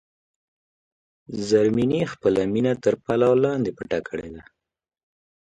زرمینې خپله مینه تر پلو لاندې پټه کړې ده.